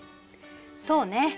そうね。